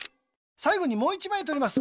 さいごにもう１まいとります。